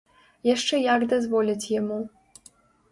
Яшчэ як дазволяць яму.